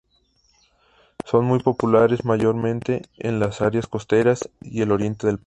Son muy populares mayormente en las áreas costeras y el oriente del país.